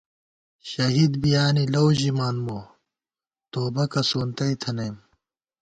شہید بِیانےلَؤ ژِمان مو، توبَکہ سونتَئ تھنَئیم